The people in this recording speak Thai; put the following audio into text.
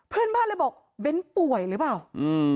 เพื่อนบ้านเลยบอกเบ้นป่วยหรือเปล่าอืม